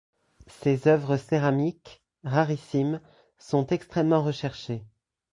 Ses œuvres céramiques, rarissimes, sont extrêmement recherchées.